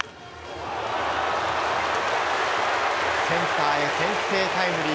センターへ先制タイムリー。